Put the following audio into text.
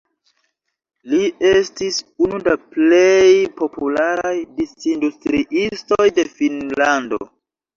Li estis unu da plej popularaj distrindustriistoj de Finnlando.